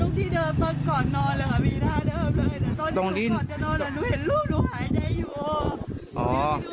ตอนที่หนูก่อนจะนอนแล้วหนูเห็นลูกหนูหายใจอยู่